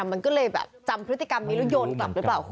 มันก็เลยแบบจำพฤติกรรมนี้แล้วโยนกลับหรือเปล่าคุณ